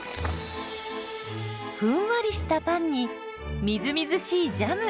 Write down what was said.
ふんわりしたパンにみずみずしいジャム。